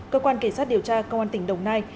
cơ quan kỳ sát điều tra công an tỉnh đồng nai